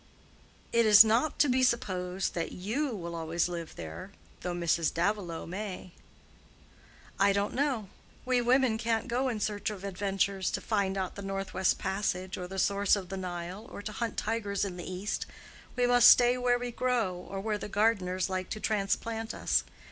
"It is not to be supposed that you will always live there, though Mrs. Davilow may." "I don't know. We women can't go in search of adventures—to find out the North West Passage or the source of the Nile, or to hunt tigers in the East. We must stay where we grow, or where the gardeners like to transplant us.